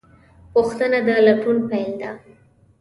پوښتنه د لټون پیل ده.